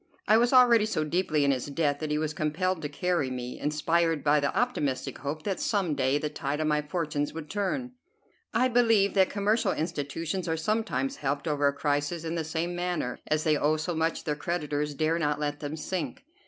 I was already so deeply in his debt that he was compelled to carry me, inspired by the optimistic hope that some day the tide of my fortunes would turn. I believe that commercial institutions are sometimes helped over a crisis in the same manner, as they owe so much their creditors dare not let them sink.